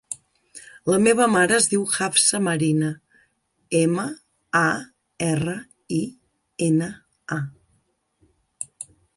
La meva mare es diu Hafsa Marina: ema, a, erra, i, ena, a.